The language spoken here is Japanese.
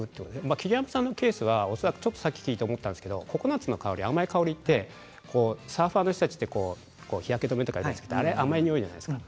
桐山さんのケースは恐らくさっき聞いて思ったんですけどココナツの香り、甘い香りってサーファーの人たちって日焼け止めとか甘い匂いじゃないですか。